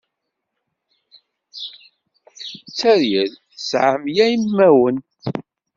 Teryel tesɛa mya n imawen.